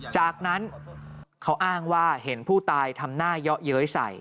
จากนั้นเขาอ้างว่าเห็นผู้ตายทำหน้าเยาะเย้ยใส่